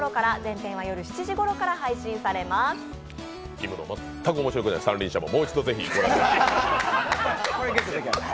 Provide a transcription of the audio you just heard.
きむの全く面白くない三輪車をもう一度ぜひご覧ください。